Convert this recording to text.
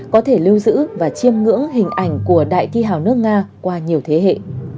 có thể lưu giữ và chiêm ngưỡng hình ảnh của đại thi hào nước nga qua nhiều thế hệ